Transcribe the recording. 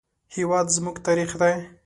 هېواد زموږ تاریخ دی